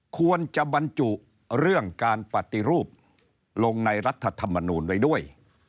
ควรจะบรรจุเรื่องการปฏิรูปลงในรัฐธรรมนูลไว้ด้วย